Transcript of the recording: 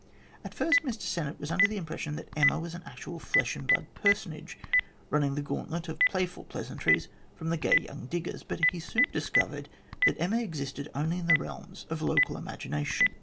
At first Mr Sinnett was under the impression that Emma was an actual flesh and blood person age running the gauntlet of playful pleasantries from the gay young diggers, but he soon discovered that Emma existed only in the realms of local imagination.